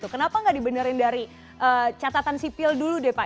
kenapa nggak dibenerin dari catatan sipil dulu deh pak